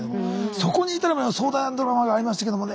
そこに至るまでの壮大なドラマがありましたけどもね。